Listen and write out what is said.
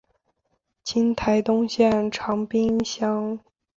今台东县长滨乡。